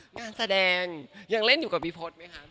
งานแสดงยังเล่นอยู่กับพี่พศไหมคะ